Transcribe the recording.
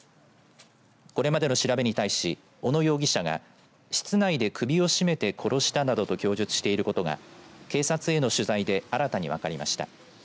これまでの調べに対し小野容疑者が室内で首を絞めて殺したなどと供述していることが警察への取材で新たに分かりました。